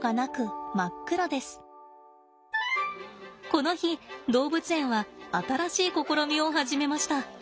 この日動物園は新しい試みを始めました。